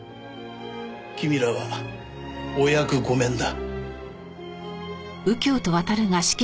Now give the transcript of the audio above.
君らはお役御免だ。